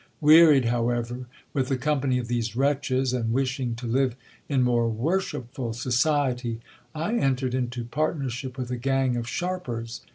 Wearied, however, with the company of these wretches, and wishing to live in more worshipful society, I entered into partnership with a gang of sharpers.